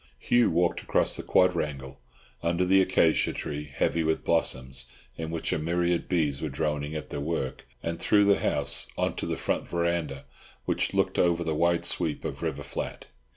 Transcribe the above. Hugh walked across the quadrangle, under the acacia tree, heavy with blossoms, in which a myriad bees were droning at their work, and through the house on to the front verandah, which looked over the wide sweep of river flat.